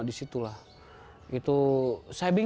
diberikan smash band ini